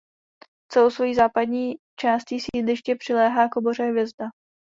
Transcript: Celou svojí západní částí sídliště přiléhá k oboře Hvězda.